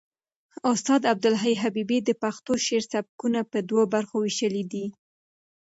استاد عبدالحی حبیبي د پښتو شعر سبکونه په دوو برخو وېشلي دي.